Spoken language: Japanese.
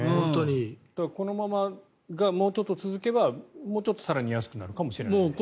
このままがもうちょっと続けばもうちょっと更に安くなるかもしれないですね。